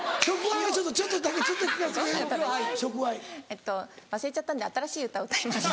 えっと忘れちゃったので新しい歌歌います。